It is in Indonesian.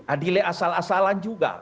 adili asal asalan juga